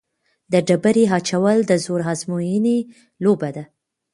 د ډبرې اچول د زور ازموینې لوبه ده.